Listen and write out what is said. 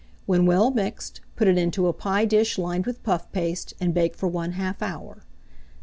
When well mixed, put it into a pie dish lined with puff paste, and bake for 1/2 hour.